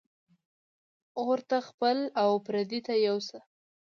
ـ اور ته خپل او پردي یو شی دی .